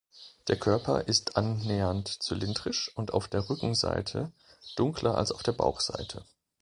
Der Körper ist annähernd zylindrisch und auf der Rückenseite dunkler als auf der Bauchseite.